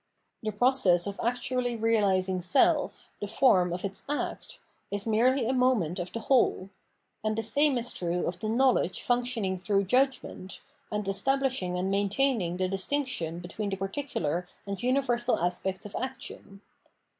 The process of actually reahsiug self, the form of its act, is merely a moment of the whole ; and the same is true of the knowledge functioning through judgment, and estab lishing and maintaining the distinction between the particular and universal aspects of action.